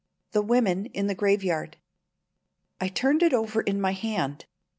THE WOMEN IN THE GRAVEYARD. I turned it over in my hand.